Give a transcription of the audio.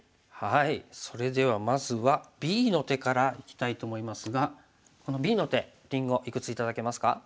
それではまずはＢの手からいきたいと思いますがこのＢの手りんごいくつ頂けますか？